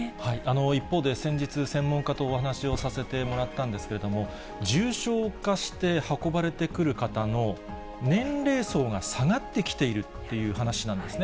一方で先日、専門家とお話をさせてもらったんですけれども、重症化して運ばれてくる方の年齢層が下がってきているっていう話なんですね。